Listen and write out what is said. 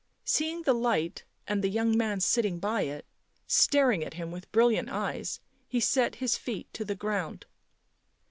Seeing the light and the young man sitting by it, staring at him with brilliant eyes, he set his feet to the ground.